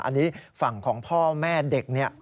อันนี้ฝั่งของพ่อแม่เด็กเนี่ย